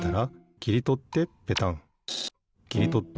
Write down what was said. きりとってペタン。